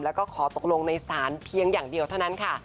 แล้วก็ขอตกลงในศาลเพียงอย่างเดียวเท่านั้นค่ะ